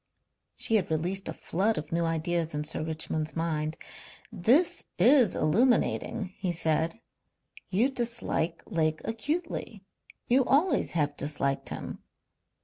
She had released a flood of new ideas in Sir Richmond's mind. "This is illuminating," he said. "You dislike Lake acutely. You always have disliked him."